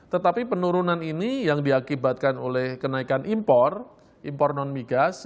tetapi penurunan ini yang diakibatkan oleh kenaikan impor impor non migas